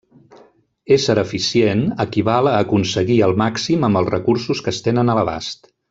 Ésser eficient equival a aconseguir el màxim amb els recursos que es tenen a l'abast.